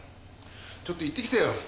ちょっと行ってきてよ。